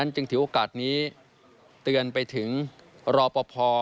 จึงถือโอกาสนี้เตือนไปถึงรอปภ